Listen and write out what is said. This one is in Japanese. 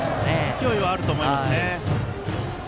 勢いはあると思います。